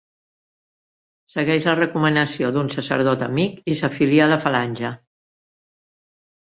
Segueix la recomanació d'un sacerdot amic i s'afilia a la Falange.